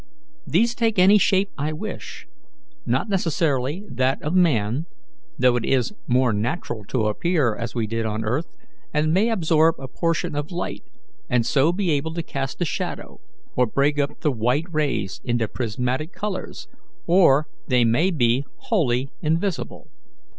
These take any shape I wish not necessarily that of man, though it is more natural to appear as we did on earth and may absorb a portion of light, and so be able to cast a shadow or break up the white rays into prismatic colours, or they may be wholly invisible.